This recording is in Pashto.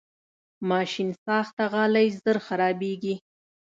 ماشینساخته غالۍ ژر خرابېږي.